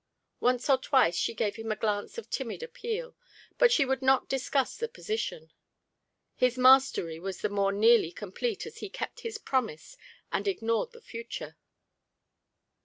Once or twice she gave him a glance of timid appeal; but she would not discuss the position. His mastery was the more nearly complete as he kept his promise and ignored the future.